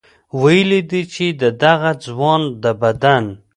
ویلي دي چې د دغه ځوان د بدن